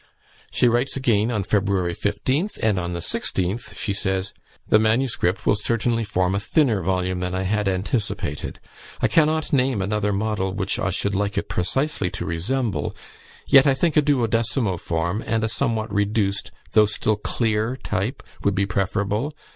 She writes again on February 15th; and on the 16th she says: "The MS. will certainly form a thinner volume than I had anticipated. I cannot name another model which I should like it precisely to resemble, yet, I think, a duodecimo form, and a somewhat reduced, though still clear type, would be preferable.